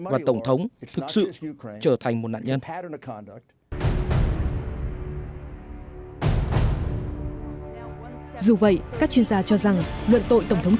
và tổng thống thực sự trở thành một nạn nhân